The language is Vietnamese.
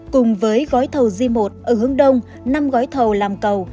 cùng với gói thầu g một ở hướng đông năm gói thầu làm cầu